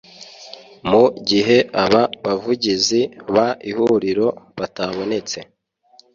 mu gihe aba bavugizi b ihuriro batabonetse